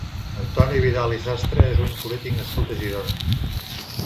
Antoni Vidal i Sastre és un polític nascut a Girona.